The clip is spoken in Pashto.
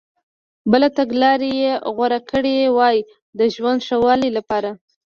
بله تګلارې یې غوره کړي وای د ژوند ښه والي لپاره.